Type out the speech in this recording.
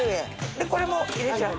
でこれも入れちゃう。